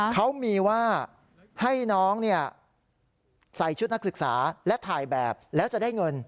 เขามีว่าให้น้องใส่ชุดนักศึกษาและถ่ายแบบแล้วจะได้เงิน